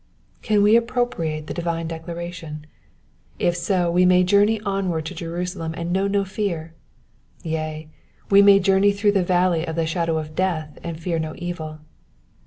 Can we appropriate the divine declaration? If so, we may journey onward to Jerusalem and know no fear ; yea, we may journey through the valley of the shadow of death and fear no evil.